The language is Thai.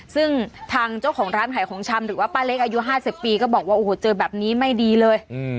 ซึ่งทางเจ้าของร้านขายของชำหรือว่าป้าเล็กอายุ๕๐ปีก็บอกว่าโอ้โหเจอแบบนี้ไม่ดีเลย